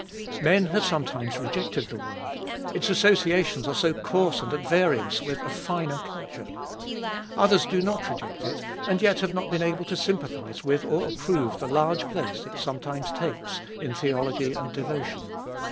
Men have sometimes rejected the word : its associations are so coarse and at variance with a finer culture. Others do not reject it, and yet have not been able to sympathise with or approve the large place it sometimes takes in theology and devotion.